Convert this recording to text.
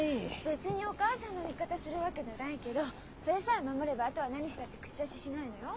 別にお母さんの味方するわけじゃないけどそれさえ守ればあとは何したって口出ししないのよ。